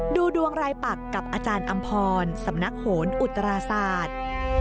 ดูดวงรายปักกับอาจารย์อำพรสำนักโหนอุตราศาสตร์